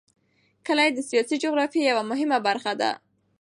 کلي د سیاسي جغرافیه یوه مهمه برخه ده.